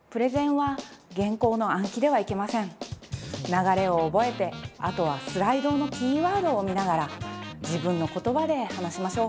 流れを覚えてあとはスライドのキーワードを見ながら自分の言葉で話しましょう。